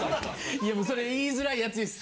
いやもうそれ言いづらいやつです。